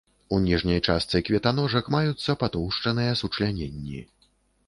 У ніжняй частцы кветаножак маюцца патоўшчаныя сучляненні.